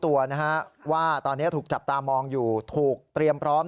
ตัวนะฮะว่าตอนนี้ถูกจับตามองอยู่ถูกเตรียมพร้อม